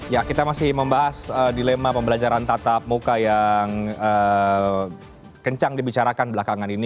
ya kita masih membahas dilema pembelajaran tatap muka yang kencang dibicarakan belakangan ini